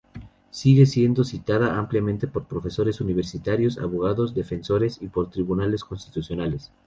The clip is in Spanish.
Sigue siendo citada ampliamente por profesores universitarios, abogados defensores y por tribunales constitucionales.